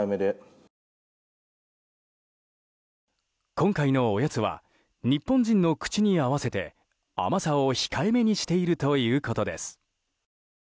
今回のおやつは日本人の口に合わせて甘さを控えめにしているということです。